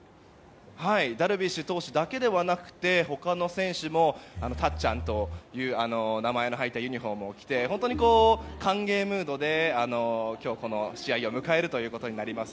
ダルビッシュ投手だけではなくて他の選手も、たっちゃんという名前の入ったユニホームを着て本当に歓迎ムードでこの試合を迎えることになります。